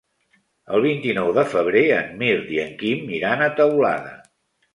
El vint-i-nou de febrer en Mirt i en Quim iran a Teulada.